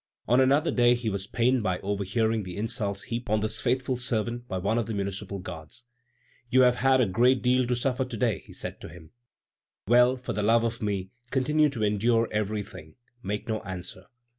On another day he was pained by overhearing the insults heaped on this faithful servant by one of the Municipal Guards. "You have had a great deal to suffer to day," he said to him. "Well! for the love of me, continue to endure everything; make no answer."